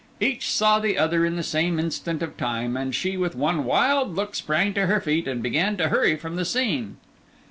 Each saw the other in the same instant of time; and she, with one wild look, sprang to her feet and began to hurry from the scene.